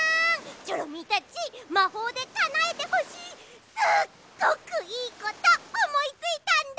チョロミーたちまほうでかなえてほしいすっごくいいことおもいついたんだ！